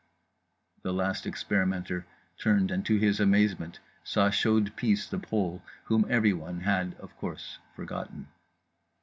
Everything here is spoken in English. _" the last experimenter turned and to his amazement saw Chaude Pisse the Pole, whom everyone had (of course) forgotten.